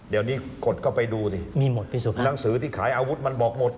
เดี๋ยวนี้กดเข้าไปดูสิหนังสือที่ขายอาวุธมันบอกหมด